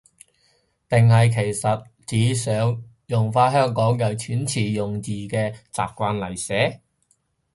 定係其實係指想用返香港人遣詞用字嘅習慣嚟寫？